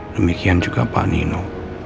demikian juga pak nino